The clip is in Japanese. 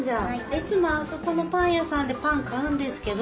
いつもあそこのパン屋さんでパン買うんですけど。